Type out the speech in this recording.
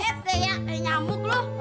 eh teh nyamuk lu